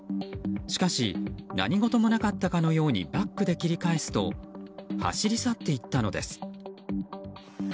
しかし何事もなかったかのようにバックで切り返すと走り去っていったのです。